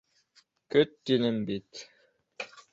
Көт тинем бит!